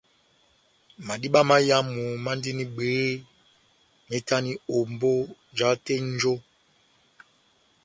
Madiba máyamu mandini bwehé, mahitani ombó jahate nʼnjo.